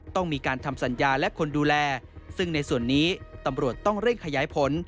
ต้องมีการทำสัญญาและคนดูแลซึ่งในส่วนนี้ตำรวจต้องเร่งขยายผล